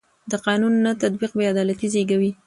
د قانون نه تطبیق بې عدالتي زېږوي